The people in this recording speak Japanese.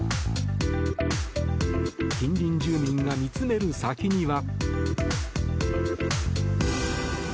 近隣住民が見つめる先には。